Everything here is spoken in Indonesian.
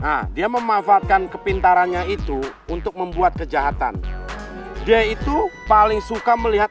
nah dia memanfaatkan kepintarannya itu untuk membuat kejahatan dia itu paling suka melihat